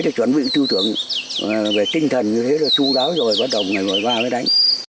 là chuẩn bị tư tưởng về tinh thần như thế là chu đáo rồi bắt đầu ngồi qua mới đánh